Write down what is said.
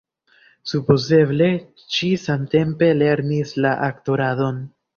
Supozeble ŝi samtempe lernis la aktoradon.